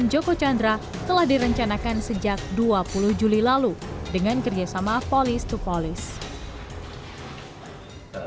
joko chandra telah direncanakan sejak dua puluh juli lalu dengan kerjasama polis to polis